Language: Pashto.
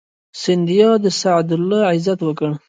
سیندیا د سعد الله عزت وکړ.